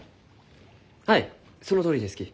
はいそのとおりですき。